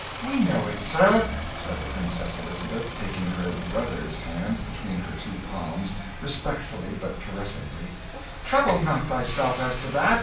"We know it, sir," said the Princess Elizabeth, taking her 'brother's' hand between her two palms, respectfully but caressingly; "trouble not thyself as to that.